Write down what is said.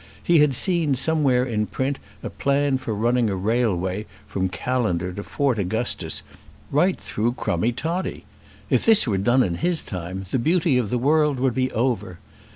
He had seen somewhere in print a plan for running a railway from Callender to Fort Augustus right through Crummie Toddie! If this were done in his time the beauty of the world would be over.